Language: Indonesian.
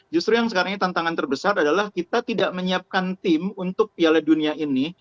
justru yang sekarang ini tantangan terbesar adalah kita tidak menyiapkan tim untuk piala dunia ini